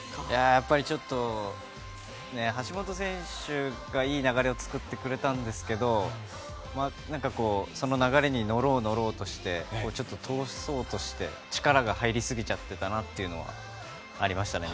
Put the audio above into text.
やっぱり、ちょっと橋本選手がいい流れを作ってくれたんですけどその流れに乗ろうとしてちょっと、通そうとして力が入りすぎちゃっていたかなというのはありましたね。